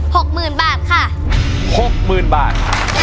หกหมื่นบาทค่ะหกหมื่นบาท